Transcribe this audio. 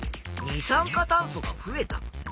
「二酸化炭素が増えた」。